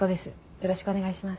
よろしくお願いします。